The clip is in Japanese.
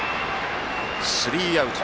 スリーアウト。